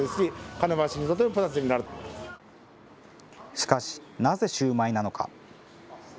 しかし、なぜシューマイなのか。